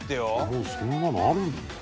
もうそんなのあるんだ。